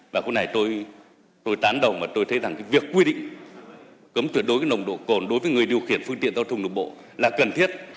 và cái này tôi tôi tán đầu mà tôi thấy rằng cái việc quy định cấm tuyệt đối nồng độ cồn đối với người điều khiển phương tiện giao thông đường bộ là cần thiết